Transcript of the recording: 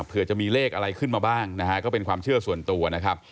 เผื่อจะมีเลขอะไรขึ้นมาบ้างนะฮะก็เป็นความเชื่อส่วนตัวนะครับ